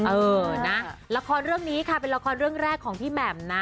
เออนะละครเรื่องนี้ค่ะเป็นละครเรื่องแรกของพี่แหม่มนะ